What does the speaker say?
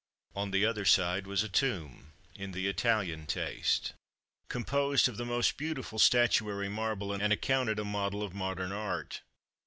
On the other side was a tomb, in the Italian taste, composed of the most beautiful statuary marble, and accounted a model of modern art.